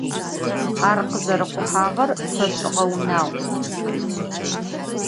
Ar khızerıxhuhağer feş'ığe vunağu.